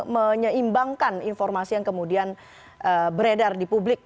menyeimbangkan informasi yang kemudian beredar di publik